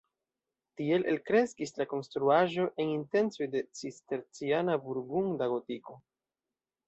Tiel elkreskis la konstruaĵo en intencoj de cisterciana-burgunda gotiko.